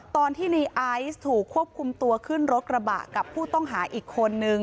ตอนที่ในไอซ์ถูกควบคุมตัวขึ้นรถกระบะกับผู้ต้องหาอีกคนนึง